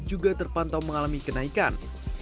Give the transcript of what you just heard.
juga terpantau mengalami kenaikan